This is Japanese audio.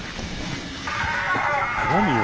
何よ？